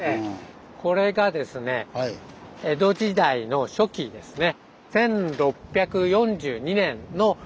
これがですね江戸時代の初期ですね。